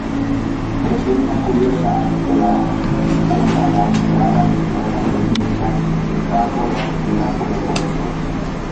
Presenta cubierta adintelada, con balaustrada renacentista, gárgolas y pináculos góticos.